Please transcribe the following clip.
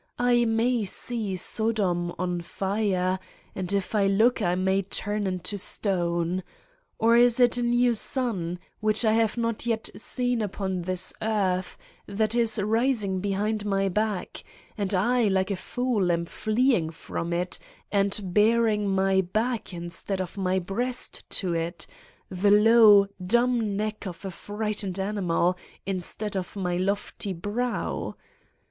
I may see Sodom on fire and if I look I may turn into stone. Or is it a new Sun, which I have not yet seen upon this earth that is rising behind my back, and I, like a fool, am fleeing from it and baring my back instead of my breast to it, the low, dumb neck of a frightened animal, in stead of my lofty brow?